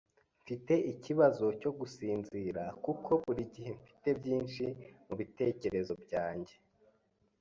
Mfite ikibazo cyo gusinzira kuko buri gihe mfite byinshi mubitekerezo byanjye.